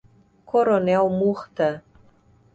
Coronel Murta